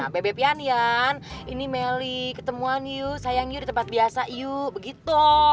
bebek pianian ini meli ketemuan yu sayang yu di tempat biasa yu begitu